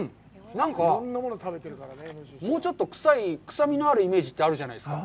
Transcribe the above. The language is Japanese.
なんか、もうちょっと臭みのあるイメージってあるじゃないですか。